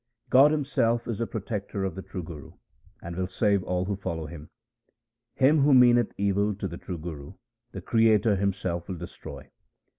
God Himself is the protector of the true Guru, and will save all who follow him. Him who meaneth evil to the true Guru the Creator Himself will destroy.